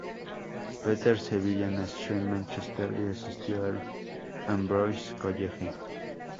Peter Saville nació en Mánchester y asistió al St Ambrose College.